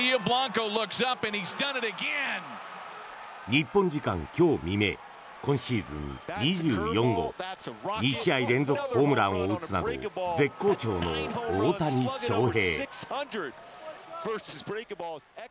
日本時間今日未明今シーズン２４号２試合連続ホームランを打つなど絶好調の大谷翔平。